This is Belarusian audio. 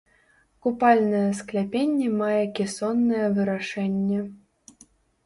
Купальнае скляпенне мае кесоннае вырашэнне.